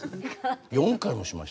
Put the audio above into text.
４回もしました？